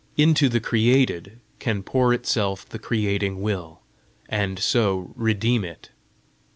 Into the created can pour itself the creating will, and so redeem it!"